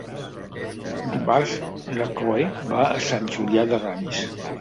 Dimarts na Chloé va a Sant Julià de Ramis.